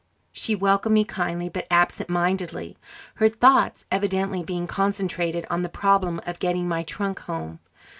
She welcomed me kindly but absent mindedly, her thoughts evidently being concentrated on the problem of getting my trunk home.